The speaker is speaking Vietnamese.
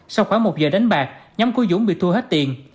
sau khoảng một giờ đánh bạc nhóm của dũng bị thua hết tiền